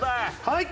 はい。